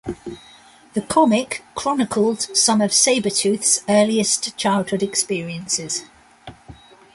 The comic chronicled some of Sabretooth's earliest childhood experiences.